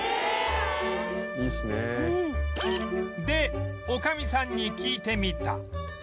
で女将さんに聞いてみた